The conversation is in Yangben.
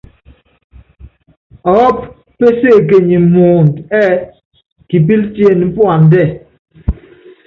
Ɔɔ́pu péséékenyi muundɔ ɛ́ɛ́: Kipílɛ́ tiené puandɛ́.